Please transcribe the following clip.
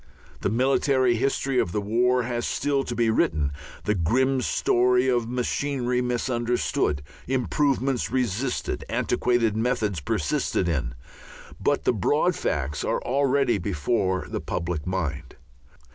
The military history of the war has still to be written, the grim story of machinery misunderstood, improvements resisted, antiquated methods persisted in; but the broad facts are already before the public mind.